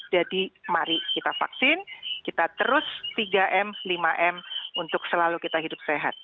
jadi mari kita vaksin kita terus tiga m lima m untuk selalu kita hidup sehat